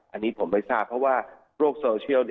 อันนี้ผมไม่ทราบเพราะว่าโลกโซเชียล